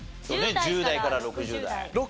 そうね１０代から６０代。